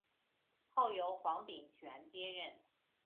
后由黄秉权接任。